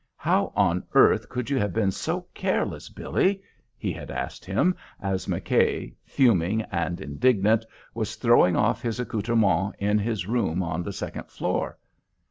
"How on earth could you have been so careless, Billy?" he had asked him as McKay, fuming and indignant, was throwing off his accoutrements in his room on the second floor.